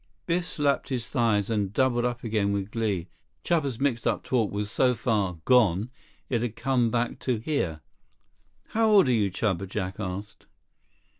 Biff slapped his thighs and doubled up again with glee. Chuba's mixed up talk was so far "gone," it had come back to "here." "How old are you, Chuba?" Jack asked.